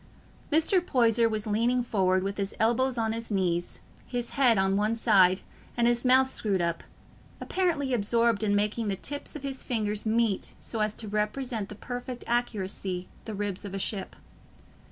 Mr. Poyser was leaning forward, with his elbows on his knees, his head on one side, and his mouth screwed up—apparently absorbed in making the tips of his fingers meet so as to represent with perfect accuracy the ribs of a ship.